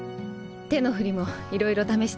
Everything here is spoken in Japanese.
手の振りもいろいろ試していいですか？